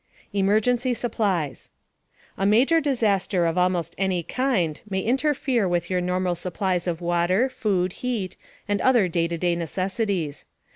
EMERGENCY SUPPLIES A major disaster of almost any kind may interfere with your normal supplies of water, food, heat, and other day to day necessities.